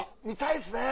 見たいです。